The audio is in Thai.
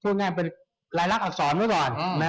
พูดง่ายเป็นรายลักษณ์อักษรก็น่ะ